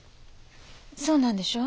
そうなんでしょう？